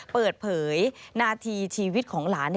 เปิดเผยนาทีชีวิตของหลาน